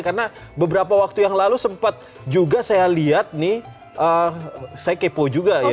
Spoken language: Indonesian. karena beberapa waktu yang lalu sempat juga saya lihat nih saya kepo juga ya